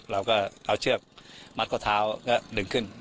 เราก็เอาเชือกมัดข้อเท้าแล้วดึงขึ้น